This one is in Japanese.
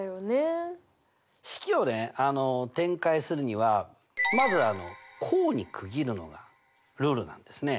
式をね展開するにはまず項に区切るのがルールなんですね。